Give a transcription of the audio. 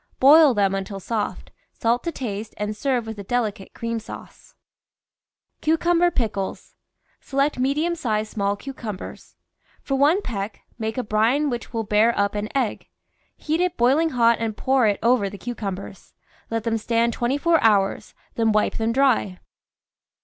Boil them until soft; salt to taste, and serve with a delicate cream sauce. VINE VEGETABLES AND FRUITS CUCUMBER PICKLES Select medium sized small cucumbers. For one peck, make a brine which will bear up an egg ; heat it boiling hot and pour it over the cucumbers; let them stand twenty four hours, then wipe them dry.